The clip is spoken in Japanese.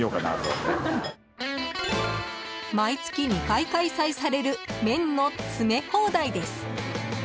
毎月２回開催される麺の詰め放題です。